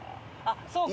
そうか。